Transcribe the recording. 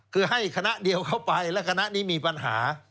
คือให้คณะเดียวเข้าไปและคณะนี้มีปัญหา